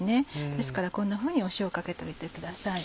ですからこんなふうに塩をかけといてください。